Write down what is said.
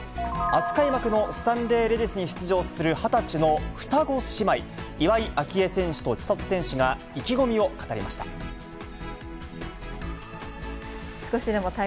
あす開幕のスタンレーレディスに出場する２０歳の双子姉妹、岩井明愛選手と千怜選手が、意気込みを語りました。